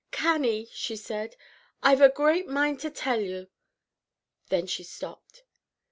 "Cannie," she said, "I've a great mind to tell you " Then she stopped.